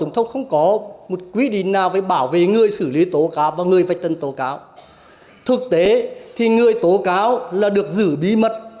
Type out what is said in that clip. thực tế thì người tố cáo là được giữ bí mật